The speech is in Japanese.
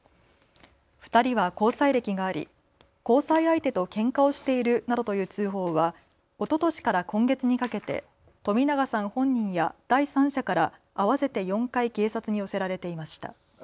２人は交際歴があり交際相手とけんかをしているなどという通報はおととしから今月にかけて冨永さん本人や第三者から合わせて４回警察に寄せられていました。